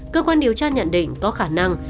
cơ quan điều tra nhận định có khả năng